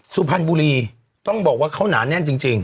สุพรรณบุรีต้องบอกว่าเขาหนาแน่นจริง